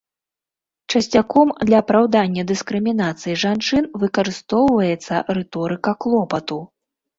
Часцяком для апраўдання дыскрымінацыі жанчын выкарыстоўваецца рыторыка клопату.